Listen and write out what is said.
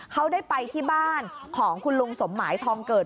เขาได้ไปที่บ้านของคุณลุงสมหมายทองเกิด